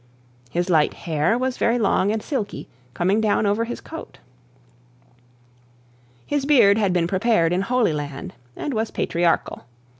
His light hair was very long and silky, coming down over his coat. His beard had been prepared in the holy land, and was patriarchal.